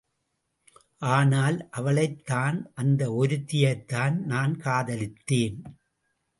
ஆனால், அவளைத்தான்... அந்த ஒருத்தியைத்தான் நான் காதலித்தேன்.